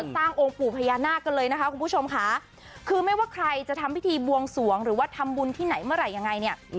องค์ปู่พญานาคกันเลยนะคะคุณผู้ชมค่ะคือไม่ว่าใครจะทำพิธีบวงสวงหรือว่าทำบุญที่ไหนเมื่อไหร่ยังไงเนี่ย